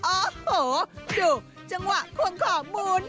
โอ้โหดูจังหวะควงขอหมุน